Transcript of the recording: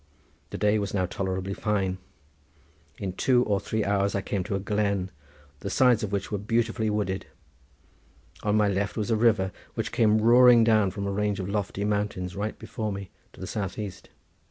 The day was now tolerably fine. In two or three hours I came to a glen, the sides of which were beautifully wooded. On my left was a river, which came roaring down from a range of lofty mountains right before me to the southeast.